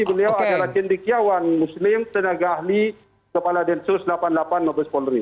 beliau adalah cendikiawan muslim tenaga ahli kepala densus delapan puluh delapan mabes polri